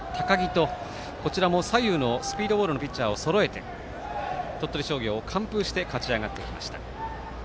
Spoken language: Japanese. そのあと福田、高木とこちらも左右のスピードボールのピッチャーをそろえて鳥取商業を完封して勝ち上がってきました。